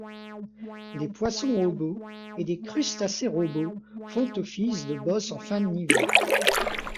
Des poissons-robots et des crustacés-robots font office de boss en fin de niveau.